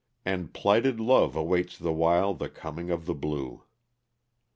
And plighted love awaits the while The coming of the blue.